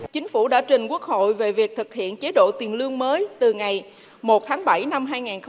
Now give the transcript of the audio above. chính phủ đã trình quốc hội về việc thực hiện chế độ tiền lương mới từ ngày một tháng bảy năm hai nghìn hai mươi